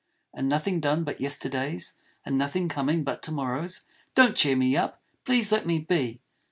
And Nothing done but yesterdays; And Nothing coming but to morrows! Don't cheer me up. Please let me be.